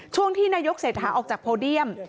ช่วงที่นายกเศรษฐาออกจากโพเดียม